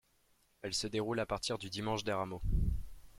Elle se déroule à partir du dimanche des Rameaux.